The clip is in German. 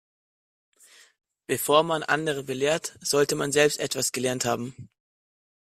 Bevor man andere belehrt, sollte man selbst etwas gelernt haben.